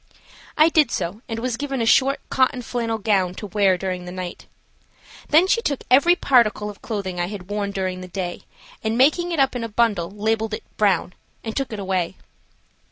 I did so, and was given a short, cotton flannel gown to wear during the night. Then she took every particle of the clothing I had worn during the day, and, making it up in a bundle, labeled it "Brown," and took it away.